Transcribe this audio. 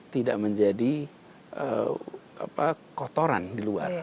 tidak menjadi kotoran di luar